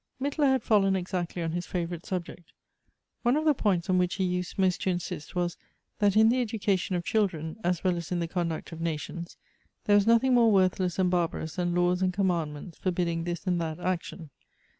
Mittler had fallen exactly on his favorite subject. One of the points on which he used most to insist was, that in the education of children, as well as in the conduct of nations, there was nothing more worthless and barbarous than laws and commandments forbidding this and that action.